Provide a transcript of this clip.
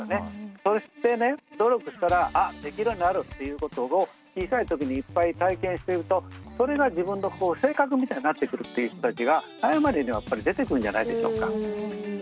そしてね努力したら「あっできるようになる」っていうことを小さい時にいっぱい体験しているとそれが自分の性格みたいになってくるっていう人たちが早生まれにはやっぱり出てくるんじゃないんでしょうか。